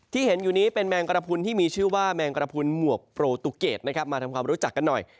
เห็นอยู่นี้เป็นแมงกระพุนที่มีชื่อว่าแมงกระพุนหมวกโปรตุเกตนะครับมาทำความรู้จักกันหน่อย